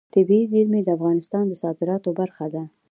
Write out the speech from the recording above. طبیعي زیرمې د افغانستان د صادراتو برخه ده.